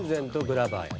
グラバー園